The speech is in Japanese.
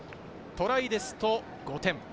トライだと５点。